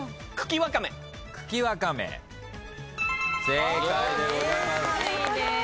正解でございます。